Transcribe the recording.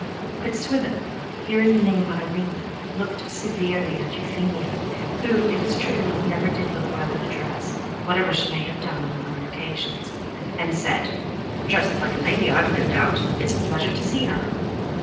But Swithin, hearing the name Irene, looked severely at Euphemia, who, it is true, never did look well in a dress, whatever she may have done on other occasions, and said: "Dressed like a lady, I've no doubt. It's a pleasure to see her."